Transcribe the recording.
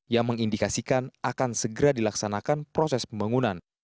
yang mengindikasikan akan segera dilaksanakan proses pembangunan